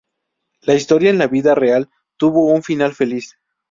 La historia en la vida real tuvo un final feliz.